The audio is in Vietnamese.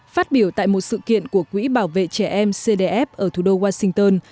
phát biểu tại một sự kiện của quỹ bảo vệ trẻ em cdf ở thủ đô washington